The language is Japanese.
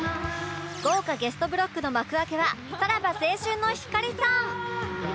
豪華ゲストブロックの幕開けはさらば青春の光さん！